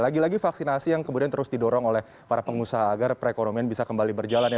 lagi lagi vaksinasi yang kemudian terus didorong oleh para pengusaha agar perekonomian bisa kembali berjalan ya